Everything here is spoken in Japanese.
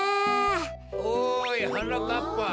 おいはなかっぱ。